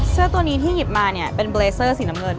เสื้อตัวนี้ที่หยิบมาเนี่ยเป็นเบรเซอร์สีน้ำเงิน